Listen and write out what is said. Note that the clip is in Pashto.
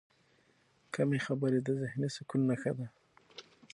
کمې خبرې، د ذهني سکون نښه ده.